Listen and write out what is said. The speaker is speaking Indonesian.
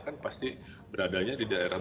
kan pasti beradanya di daerah